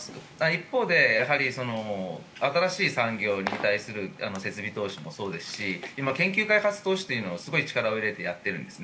一方で新しい産業に対する設備投資もそうですし今、研究開発投資というのにすごい力を入れてやってるんです。